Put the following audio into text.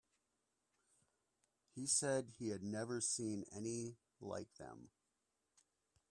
He said he had never seen any like them.